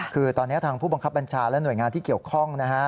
คือตอนนี้ทางผู้บังคับบัญชาและหน่วยงานที่เกี่ยวข้องนะฮะ